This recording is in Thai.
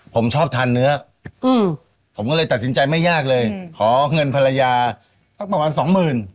ผมชอบทานเนื้อผมก็เลยตัดสินใจไม่ยากเลยขอเงินภรรยาสักประมาณสองหมื่น